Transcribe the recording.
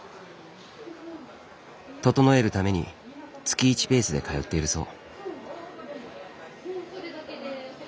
整えるために月１ペースで通っているそう。